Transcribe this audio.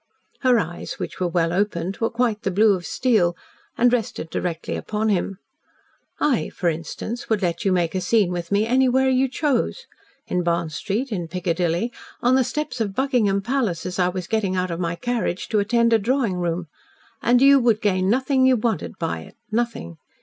Her eyes, which were well opened, were quite the blue of steel, and rested directly upon him. "I, for instance, would let you make a scene with me anywhere you chose in Bond Street in Piccadilly on the steps of Buckingham Palace, as I was getting out of my carriage to attend a drawing room and you would gain nothing you wanted by it nothing.